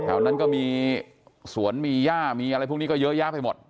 แถวนั้นก็มีสวนมีย่ามีอะไรพวกนี้ก็เยอะแยะไปหมด